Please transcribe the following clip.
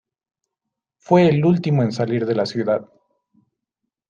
Fue el último en salir de la ciudad.